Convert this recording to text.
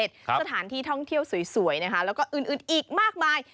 สถานที่ท่องเที่ยวสวยนะคะแล้วก็อื่นอีกมากมาย